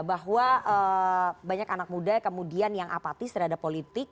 bahwa banyak anak muda kemudian yang apatis terhadap politik